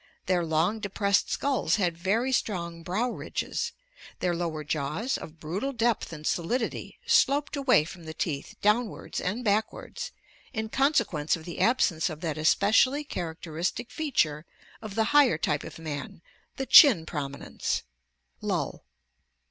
Their long depressed skulls had very strong brow ridges; their lower jaws, of brutal depth and solidity, sloped away from the teeth down wards and backwards, in con sequence of the absence of that especially characteristic feature of the higher type of man, the chin prominence'" (Lull).